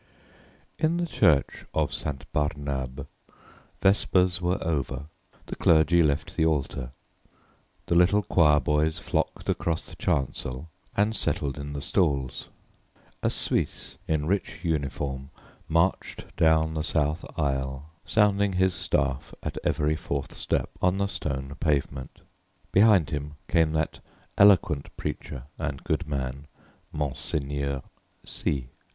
In the Church of St. Barnabé vespers were over; the clergy left the altar; the little choir boys flocked across the chancel and settled in the stalls. A Suisse in rich uniform marched down the south aisle, sounding his staff at every fourth step on the stone pavement; behind him came that eloquent preacher and good man, Monseigneur C